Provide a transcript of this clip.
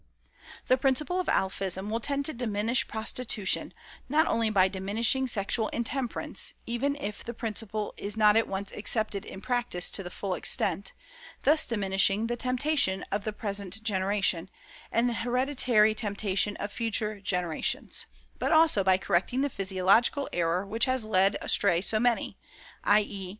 The principle of Alphism will tend to diminish prostitution, not only by diminishing sexual intemperance, even if the principle is not at once accepted in practice to the full extent, thus diminishing the temptation of the present generation, and the hereditary temptation of future generations; but also by correcting the physiological error which has led astray so many, i. e.